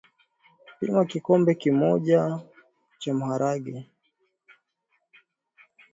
Pima kikombe moja cha maharage